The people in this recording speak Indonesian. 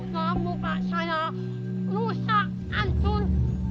kamu bakal saya rusak ancun